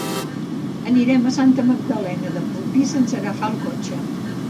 Anirem a Santa Magdalena de Polpís sense agafar el cotxe.